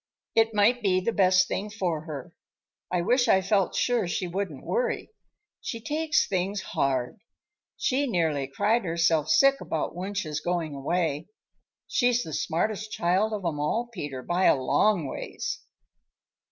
It might be the best thing for her. I wish I felt sure she wouldn't worry. She takes things hard. She nearly cried herself sick about Wunsch's going away. She's the smartest child of 'em all, Peter, by a long ways."